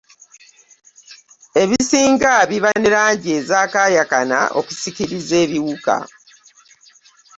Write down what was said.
Ebisinga biba ne langi ezaakaayakana okusikiriza ebiwuka